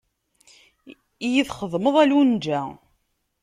Iyi txedmeḍ a Lunǧa.